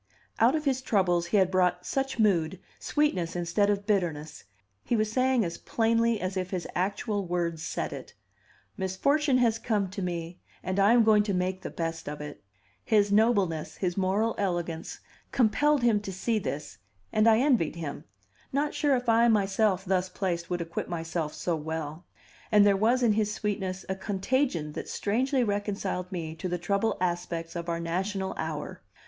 Out of his troubles he had brought such mood, sweetness instead of bitterness; he was saying as plainly as if his actual words said it, "Misfortune has come to me, and I am going to make the best of it." His nobleness, his moral elegance, compelled him to this, and I envied him, not sure if I myself, thus placed, would acquit myself so well. And there was in his sweetness a contagion that strangely reconciled me to the troubled aspects of our national hour.